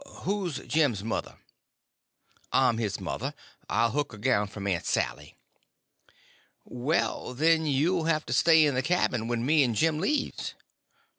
Who's Jim's mother?" "I'm his mother. I'll hook a gown from Aunt Sally." "Well, then, you'll have to stay in the cabin when me and Jim leaves."